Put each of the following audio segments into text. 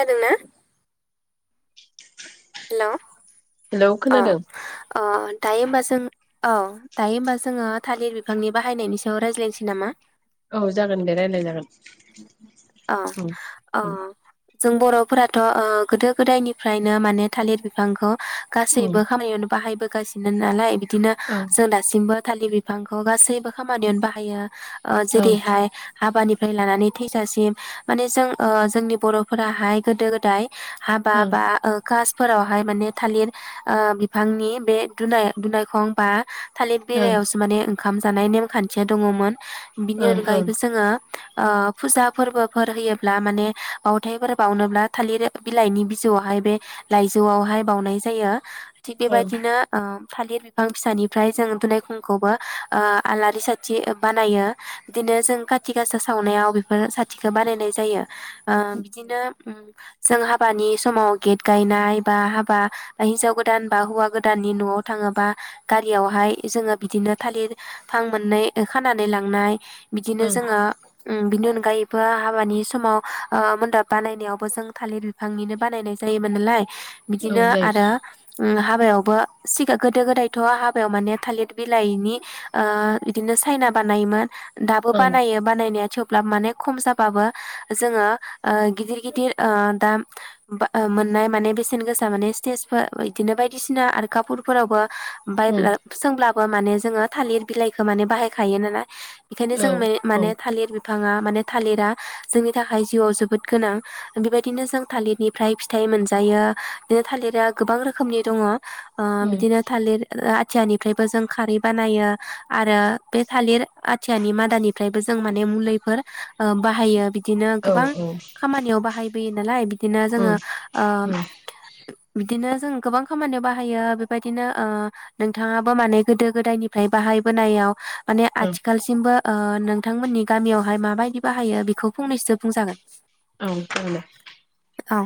ादोंना? [inaudible] Hello hello [inaudible] अ खोनादों अ। दायो होमबा जों औ दायो होमबा जोङो थालिर बिफांनि बाहायनायनि सायाव रायज्लायनोसै नामा? औ जागोन दे रायलाय जागोन। अ उम अ जों बर'फोराथ' ओ गोदो गोदायनिफ्रायनो माने थालिर बिफांखौ उम गासैबो खामानियावनो बाहायबो गासिनो नालाय बे दिनो ओं जों दासिमबो थालिर बिफांखौ गासैबो खामानियावनो बाहायो। ओ ओं जेरैहाय हाबानि निफ्राय लानानै थैजासिम माने जों ओ जोंनि बर'फोराहाय गोदो गोदाय हाबा ओं बा ओ खास फोरावहाय माने थालिर ओ बिफांनि बे दुनाय-दुनायखं बा थालिर ओं बेलायावसो माने ओं खाम जानाय नेम खान्थिया दङमोन। बिनि ओं ओं अनगायैबो जोङो ओ फुजा फोरबोफोर होयोब्ला माने बावथायफोर बावनोब्ला थालिर बिलाइनि बिजौआवहाय बे लाइजौआवहाय बावनाय जायो। थिग बे ओं बाइदिनो ओ थालिर बिफां फिसानिफ्राय जों दुनायखुंखौबो ओ आलारि साथि बानायो बिदिनो जों खाथिगासा सावनायाव बेफोर सा थिखो बानायनाय जायो। ओ बिदिनो उम जों हाबानि समाव गेट गायनाय बा हाबा हिनजाव गोदान बा हौवा गोदाननि नआव थाङोबा गारियावहाय जोङो बिदिनो थालिर फां मोननै ओ खानानै लांनाय। बिदिनो ओं जोङो उम बिनि अनगायैब बो हाबानि समाव ओह मोनदाब बानायनायावबो जों थालिर बिफांनिनो बानायनाय जायोमोन नालाय औ बिदिनो जायो आरो उम हाबायावबो सिगा गोदो गोदायथ हाबायाव माने थालिर बिलाइनि ओह बिदिनो सायना बानायोमोन। दाबो ओं बानायो बानायनाया थेव [unintelligible] मानेख खम जाबाबो जोङो ओह गिदिर गिदिर ओह दाम ओह मोननाय माने बेसेन गोसा माने स्टेजफोर बिदिनो बायदिसिना आर कपुरफोरावबो ओमफ्राय उम ब्लो सोंब्लाब बो माने जोङो थालिर बिलाइखो माने बाहायखायो नो ना बेखायनो जों औ मे औ माने थालिर बिफ फाङा मानेथ थालिरा जोंनि थाखाय जिउआव जोबोद गोनां बेबायदिनो जों थालिरनिफ्राय फिथाइ मोनजायो बिनो थालिरा गोबां रोखोमनि दङ। ओह उम बिदिनो थालिर ओ आथ थियानिफ्रायबो जों खारै बानायो आरो बे थालिर आथियानि मादानिफ्रायबो जों माने मुलिफोर ओह बाहायो बिदिनो औ औ गोबां उम खामानियाव बाहायबोयो नालाय बिदिनो उम ओं जोङो औ जागोन ओह बिदिनो जों गोबां खामानियाव बाहायो बेबायदिनो ओह नोंथाङाबो माने गोदो गोदायनिफ्राय बाहायबोनायाव माने दे ओं आथिखालसिमबो ओह नोंथांमोननि गामियावहाय माब बायदि बाहायो बेखौ फंनैसो बुंजागोन औ औ औ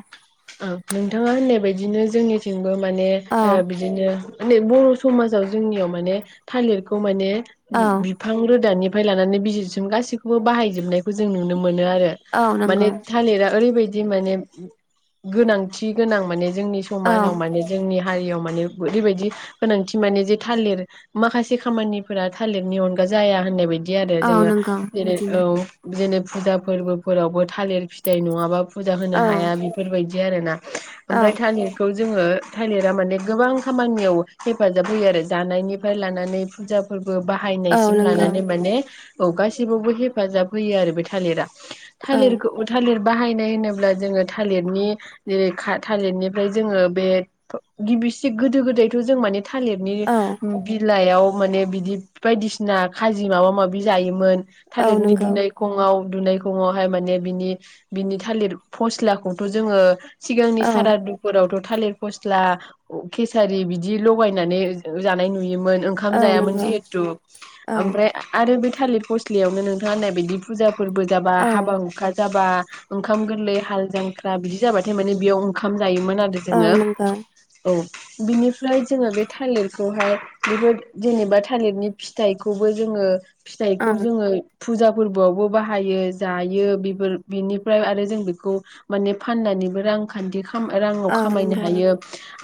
औ नोंथाङा होननाय बायदिनो जोंनिथिं बो माने ओह औ बिदिनो [unintelligible] बर समाजाव जोंनियाव माने थालिरखौ माने औ बिफां रोदानिफ फ्राय लानानै बिजिरसिम गासैखौबो बाहायजोबनायखौ जों नुनो मोन मोनो आरो औ नंगौ माने थालिरा ओरैबायद दिन माने उम गोनांथि गोनां माने जोंनि औ समाजाव माने जोंनि हा हारियाव माने ओरैबायदि गोनांथि माने जे थालिर माखासे खामानिफोरा थालिरनि अनगा जाया होननाय बायदि बिदि आरो औ जोङो नंगौ जेरै औ बिदिनो जेनेब फुजा फोरबोफोरावबो थालिर फिथाइ नङाबा फुजा होनो औ हाया बिद दि आरो ना औ ओमफ्राय थालिरखौ जोङो थालिरा माने गोबां खामानियाव हेफाजाब होयो आरो जानायनिफ्राय लानानै फुजाफोर बो औ बाहायनायसिम नंगौ लानानै माने औ गासिबावबो हेफाजाब होयो आरो बे थालिरा औ थालिरखौ थालिर बाहायनाय होनोब्ला जोङो था थालिरनि ओ खा-थालिरनिफ्राय जोङो बे गिबिसि गोदो गोदायथ' जों माने थालिरनि औ बिलाइयाव माने बिदि बायदिसिना खाजि माबा माबि जायोमोन। औ थालिरनि नंगौ बिनायखंआव दुनायखौङावहाय माने बिनि बिनि थालिर फस्ला खौथ' जोङो सिगांनि औ सारादुफोरावथ' थालिर फस्ला खेसारि बिदि लगायनानै जानाय नु नुयोमोन ओंखाम औ जायामोन नंगौ जिहेतु औ ओमफ्राय आरो बे थालित फसलियावनो नोंथाङा होननायबायदि फुजा फोरबो जाबा औ हाबा हुखा जाबा ओंखाम गोरलै हाल जां ख्रा बिदि जाबाथाय माने बेयाव ओंखाम जायोमोन आरो औ जोङो नंगौ औ। बिनिफ्राय जोङो बे थालिरखौहाय बेफोर जेनेबा थालिरनि फिथाइखौबो जोङो औ फिथाइखौ जोङो फुजा फोर्बोआवबो बाहायो जायो बेफोर बिनिफ्राय आरो जों बिखौ माने फाननानैबो रांखान्थि राङाव औ खामायनो नंगौ हायो।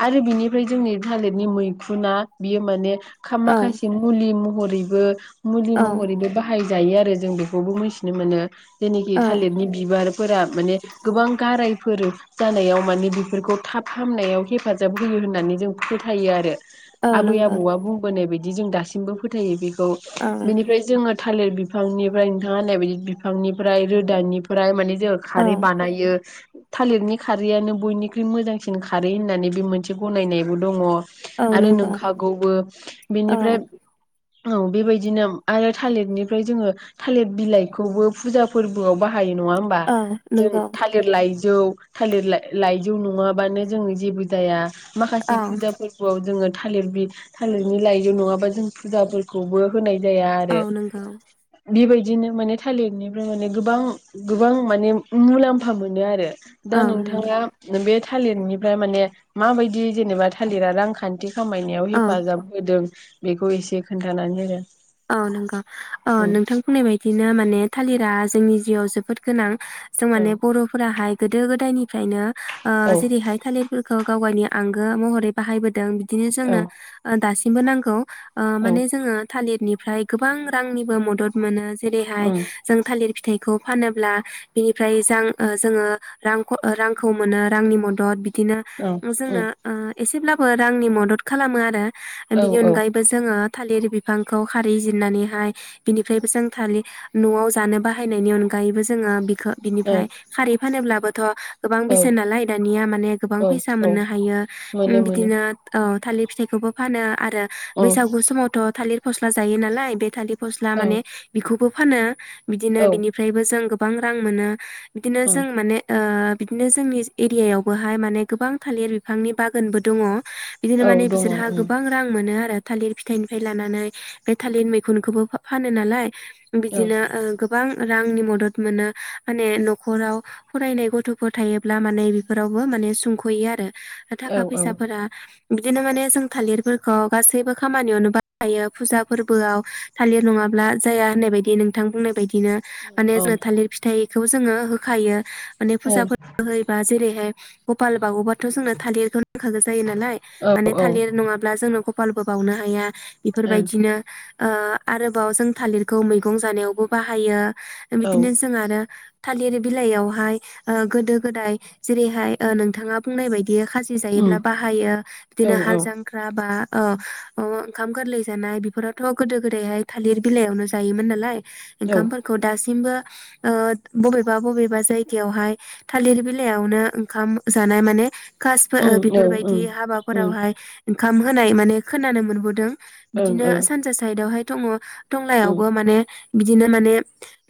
आरो बिनिफ्राय जोंनि थालिरनि मैखुना बियो माने खा औ माखासे मुलि हरैबो मुलि महरैबो बाहाय जायो आरो जों बेखौबो मिथिनो मोनो। जेनेखि थालिरनि बिबार फोरा माने गोबां गारायफोर जानायाव माने बेफोरखौ थाब हामनायाव हेफाजाब होयो होननानै जों फोथायो आरो। औ औ नंगौ औ आबै नंगौ आबौआ बुंबोनाय बि दि जों दासिमबो फोथायो बि खौ बिनिफ्राय जोङो थालिर बिफांनिफ्राय नोंथाङा होननाय बायदि बिफांनिफ्राय रोदानिफ्राय माने जों औ खारै बानायो थालिरनि खारैआनो बयनिख्रुइ मोजांसिन खारै होननानै बे मोनसे गनायनायबो दङ आरो नंगौ नोंखागौबो बेनिफ्राय औ बेबायदिनो आरो थालिरनिफ्राय जोङो थालिर बिलाइखौबो फुजा फोरबोआव बाहा हायो नङा होमबा औ जों लाइजौ थालिर लाइ-लाइजौ नङाबानो जोङो जेबो जाया माखासे फुजा फोरबोआव जोङो थालिर बि थालिरनि लाइजौ नङाबा जों फुजाफोरखौबो होनाय जाया औ आरो नंगौ बेबायदिनो माने थालिरनिफ्राय माने गोबां गोबां माने मुलाम फा मोनो आरो दा औ नंगौ नोंथाङा माने थालिरनिफ्राय माने माबायदि जेनेबा थालिरा रांखान्थि खामायनायाव औ हेफाजाब होदों बेखौ एसे खोन्थानानै होदो औ नंगौ औ ओम नोंथां बुंनाय बायदिनो माने थालिरा जोंनि याव जोबोद गोनां जों माने ओम बर'फोराहाय गोदो गोदायनि फ्रायनो ओ औ जेरैहाय थालिरफोरखौ गावबायनो आंगो महरै बाहायबोदों बिदिनो औ जोंनो ओ दासि मबो नांगौ ओ ओम माने जोङो थालिर ओमफ्राय गोबां रांनिबो मदद मोनो जेरैहाय ओम जों थालिर फिथाइखौ फानोब्ला बिनिफ्राय जां ओ जोङो रांख रांखौ मोनो रांनि मदद दिनो ओम ओं जोंनो ओ एसेब्लाबो रांनि मदद खालामो आरो औ बिनि अनगायैबो जोङो थालिर बिफांखौ खारै जिरनानैहाय बिनिफ्रायबो जों थालिर न'आव जानो बाहायनायनि अनगायैबो जोङो बिखो बिनिफ्राय ओम खारै फानोब्लाबोथ' गोबां औ बेसेन नालाय दानिया माने गोबां औ फैसा औ मोननो हायो मोनो मोनो बिदिनो ओ थालिर फिथाइखौबो फानो। आरो ओम बैसागु समावथ' थालिर फस्ला जायो नालाय बे थालि फस्ला औ माने बेखौबो फानो बिदिनो औ बिनिफ्रायबो जों गो गोबां रां मोनो। बिदिनो ओम जों माने ओ बिदिनो जोंनि एरियायावबोहाय माने गोबां थालिर बिफांनि बागानबो दङ। बिदिनो औ माने दङ बिसोरहा ओम गोबां रां मोनो आरो। थालिर फिथाइनिफ्राय लानानै बे थालिर मैखुनखौबो फानो नालाय। औ बिदिनो ओ गोबां रांनि मदद मोनो माने न'खराव फरायनाय गथ'फोर थायोब्ला माने बेफोरावबो माने सुंख'यो आरो। औ थाखा औ फैसाफोरा बिदिनो माने जों थालिरबो ओ गासैबो खामानियावनो बाहायो। फुजा फोरबोआव थालिर नङाब्ला जाया होननाय बायदि नोंथां बुंनाय बिदिनो माने ओं जोङो थालिर फिथाइ खौ जोङो होखायो। माने फुजाफोरबो औ होयोबा जेरै [unintelligible] गपाल बावोबाथ' जोंना थालिरखौ नांखागौ जायो नालाय औ माने ओं औ ओम औ थालिर ओम नङाब्ला जोंनो ग पालबो बावनो हाया इ औ फोरबायदिनो ओ आरोबाव जों थालिरखौ मैगं जानायावबो बाहायो। ओम बिदिनो जों आरो थालिर बिलाइयावहाय गोदो गोदाय जेरैहाय ओ नोंथाङा बुंनाय बायदि। बियो खाजि ओम जायोब्ला बाहायो बिदिनो ओं हाल ओ जांख्रा बा अ अ ओंखाम गोर्लै जानाय बेफोरावथ' गोदो गोदायहाय थालिर बिलाइयावनो जायोमोन नालाय। ओम औ ओंखामफोरखौ दासिमबो ओ बबेबा बबेबा जायगायावहाय थालिर बिलाइयावनो ओंखाम जानाय माने कासबो ओम ओ औ बेफोरबायदि ओम हाबाफोरावहाय ओंखाम होनाय माने खोनानो मोनबोदों । औ ओं बिदिनो औ सानजा साइदआवहाय दङ। थंलायावबो माने बिदिनो माने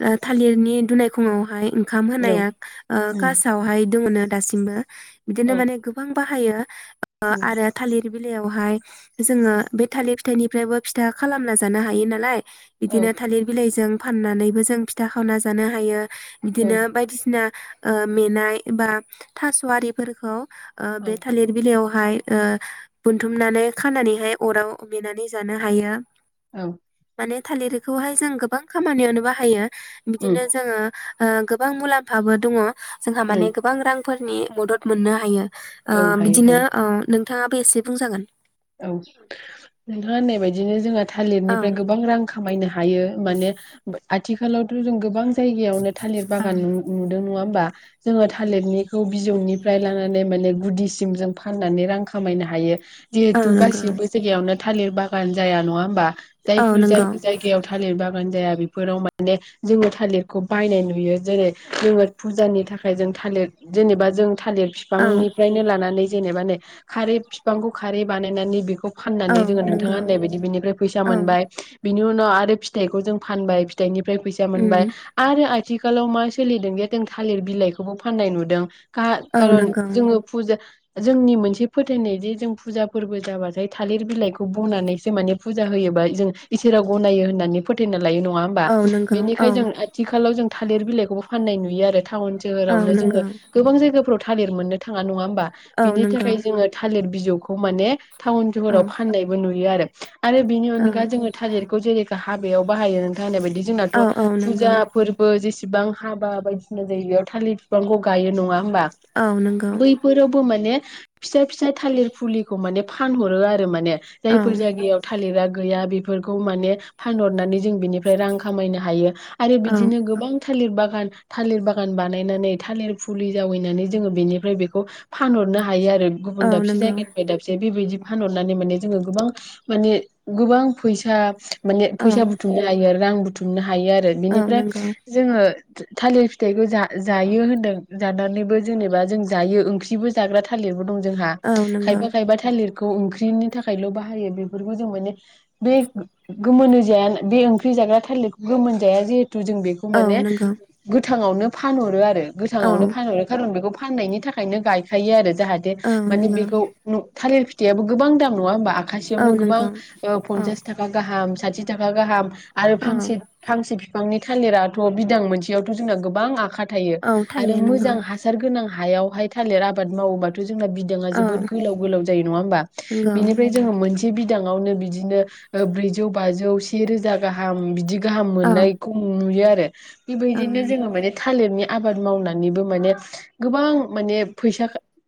ओ थालिरनि दुनायखंआवहाय ओंखाम होनाया ओ कासआव हाय दङनो दासिमबो बिदिनो माने गोबां बाहायो ओ आरो थालिर बिलाइयावहाय जोङो बे थालि फिथाइनिफ्रायबो फिथा खालामना जानो हायो नालाय बिदिनो थालिर बिलाइजों फाननानैबो जों फिथा खावना जानो हायो । बिदिनो बायदिसिना ओ मेनाय बा थास'वारिफोरखौ ओ बे थालिर बिलाइयाव फाय ओ बोनथुमनानै खानानै हाय अराव मेनानै जानो हायो । औ। माने थालिरखौ हाय जों गोबां खामानियावनो बाहायो । ओम बिदिनो जोङो ओ गोबां मुलाम्फाबो दङ । जोंहा माने गोबां रांफोरनि मदद मोननो हायो । ओ औ हायो बिदिनो हायो ओ नों नोंथाङा एसे बुंजागोन । औ। नोंथाङा होननाय बायदिनो जोङो औ थालिरनिफ्राय गोबां रां खामायनो हा हायो माने आथिखालावथ' जों गोबां जायगायावनो थालिर बागान नु नुदों नङा होनबा जोङो थालिरनिखौ बिजौनिफ्राय लानानै माने गुदिसिम जों फाननानै रां खामायनो हायो । औ जिहेतु नंगौ गासिबो जायगायावनो थालिर बागान जाया नङा होमबा? औ जायफोर जाय नंगौ जायगायाव थालिर बा गान जाया बेफोराव माने जोङो थालिरखौ बायनाय नुयो। जेरै जोङो फुजानि थाखाय जों थालिर जेनेबा जों थालिर औ बिफांनिफ्रायनो लानानै जेनेबा नै खारै बिफांखौ खारै बानायनानै बेखौ औ फाननानै जोङो नोंथाङा नंगौ होननायबायायदि बिनिफ्राय फैसा औ मोनबाय, बिनि उनाव आरो फिथाइखौ जों फानबाय। फिथाइनि फ्राय फैसा उम मोनबाय। आरो आ थिखालाव मा सोलिदों जों थालिर बिलाइखौबो फाननाय नुदों । खा औ खारन नंगौ जोङो फुजा जोंनि मोनसे फोथायनाय जे जों फुजा फोरबो जाबाथाय थालिर बिलाइखौ बनानैसो माने फुजा होयोबा जों इसोरा गनायो होननानै फोथायना लायो नङा होमबा? औ नंगौ औ बिनिखाय जों आथिखालाव जों थालिर बिलाइखौबो फाननाय नुयो आरो टाउन औ सोहोरावनो जोङो नंगौ गोबां जायगाफ्राव थालिर मोननो थाङा नङा होम बा? औ बिनि नंगौ थाखाय जोङो थालिर बिजौ खौ माने टाउन औ सहराव फाननायबो नुयो आरो । [inaudible] आरो बेनि औ अनगा जोङो थालिरखौ जेरै हाबायाव बाहायो नोंथां होननाय बाय दि जोंनाथ औ फुजा, नंगौ फोरबो जेसे बां हाबा बायदिसिना जायो बेयाव थालिर बिफांखौ गायो नङा होमबा? औ नंगौ बैफोरावबो माने फिसा फिसा थालिर फुलि खौ माने फानहरो आरो माने । औ जायफोर जायगायाव थालिरा गैया बेफोरखौ माने फानहरनानै जों बिनिफ्राय रां खामायनो हायो। आरो औ बिदिनो गोबां थालिर बा बागान थालिर बागान बानायनानै थालिर फुलि जावैनानै जोङो बेनिफ्राय बेखौ फानहरनो हायो आ रो औ गुबुन दाबसे नंगौ जायगायाव बेबायदि फानहरनानै माने जोङो गोबां माने गोबां फैसा माने औ फैसा बुथुमनो हायो आरो रां बुथुम [unintelligible] हायो आरो औ बिनिफ्राय नंगौ जोङो थालिर फिथाइखौ जा-जायो होन्दों जानानैबो जेनेबा जों जायो ओंख्रिबो जाग्रा थालि दं जोंहा औ नंगौ खायफा खायबा थालिर खौ ओंख्रिनि थाखायल' बाहायो बेफोरखौ जों माने बे गोमोनोजाया बे ओंख्रि जाग्रा थालिरखौ गोमोन जाया जिहेत तु जों बेखौ औ माने नंगौ गोथ थाङावनो फानहरो आरो। औ गोथाङावनो फानहरो खारन बेखौ फाननायनि थाखायनो गायखायो आरो। जाहाथे औ मानि बेखौ थालिर फिथाइयाबो गोबां दाम नङा होमबा नंगौ औ खासेयावनो गोबां नंगौ ओ औ पन्सास थाखा गाहाम। साथिथाखा गाहाम। आरो औ फांसे फांसे फांनि थालिराथ' बिदां मोनसेयावथ' जोंना गोबां आखा थायो औ आरो थायो नंगौ मोजां हासार गोनां हायावहाय थालिर आबाद मावोबाथ' जोंना बिदाङा औ जोबोद गोलाव गोलाव जायो नङा होमबा नंगौ बिनिफ्राय जोङो मोनसे बिदाङावनो बिदिनो ब्रैजौ बाजौ से रोजा गाहाम बिदि गाहाम औ मोननायखौ नुयो आरो। [unintelligible] औ बिबायदिनो नंगौ जोङो माने थालिरनिया आबाद मावनानैबो माने गोबां माने फैसा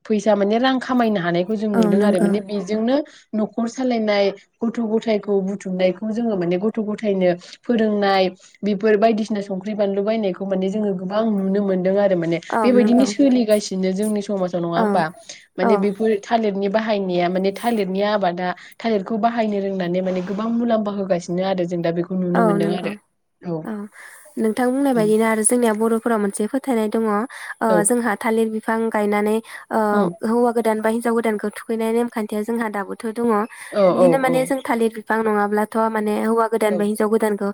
फैसा माने रां खामायना हानायखौ जों औ नुदों आरो नंगौ माने बिजोंनो न'खर सालायनाय गथ' गथायखौ बुथुमनायखौ जोङो माने गथ' गथायनो फोरोंनाय बिफोर बायदिसिना संख्रि बानलु बायनायखौ माने जोङो गोबां नुनो मोनदों आरो। माने औ बेबायदिनो नंगौ सोलिगासि दिनो जोंनि सम समाजाव नङा औ होमबा औ माने बेफोर नि बाहायनाया माने थालिरनि आबादा थालिरखौ बाहायनो रोंनानै माने गोबां मुलाम्फा होगासिनो आरो जों दा बेखौ नुनो औ मोनदों नंगौ आरो औ नोंथां बुंनाय बायदिनो आरो जोंनिया बर'फोरा मोनसे फोथायनाय दङ। ओ औ जोंहा थाल लिर बिफां गायनानै अ उम हौवा गो दान बा हिनजाव गोदानखौ थुखैनाय नेमखान्थिया जोंहा दाबो थ' दङ औ औ बिदिनो औ माने जों थालिर बिफां नङाब्लाथ' माने हौ औ गोदान बा हिनजाव गोदानखौ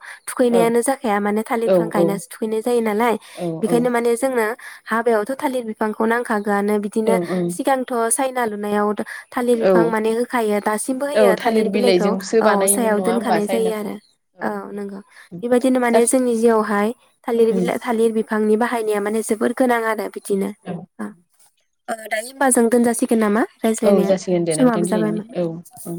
औ थुखैनायानो जाखाया माने औ थालिरफ्रां गायनासो थुखैनाय जायो नालाय औ बेखायनो माने जोंनो हाबायावथ' थालिर बिफांखौ नांखा गोयानो बिदिनो ओं सिगांथ' साय ना लुनायाव थालिर औ बिफां माने होखायो दासिमबो औ होयो थालिर बिलाइखौ बिलाइजोंसो औ बानायोमोन सायाव नङा होमबा दोनखानाय जायो सायनाखौ आरो। औ नंगौ औ बेबायदिनो माने जासि जोंनि जिउआवहाय थालिर ओम बिला थालिर बिफां नि बाहायनाया माने जोबोर गोनां आरो दिनो औ ओ [unintelligible] ओ दायो होम्बाजों दोनजासिगो नामा? औ रायज्लायनाया जासिगोन दे नोंथां समाबो दिनैनि जाबायमोन औ ओ